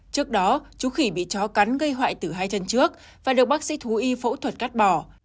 trước đó chú khỉ bị chó cắn gây hoại tử hai chân trước và được bác sĩ thú y phẫu thuật cắt bỏ